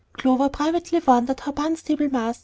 Clover privately wondered how Barnstable, Mass.